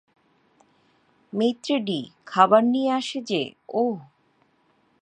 Maître d - খাবার নিয়ে আসে যে ওহ!